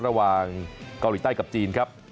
ระหว่างเกาหลีใต้กับจีนครับ